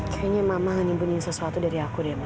kayaknya mama ngebunyi sesuatu dari aku ya mama